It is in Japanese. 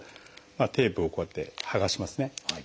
テープをこうやってはがしますね。